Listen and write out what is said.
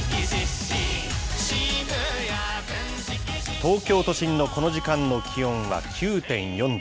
東京都心のこの時間の気温は９．４度。